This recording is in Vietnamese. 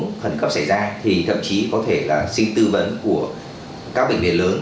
tình huống khẩn trọng cấp xảy ra thì thậm chí có thể là xin tư vấn của các bệnh viện lớn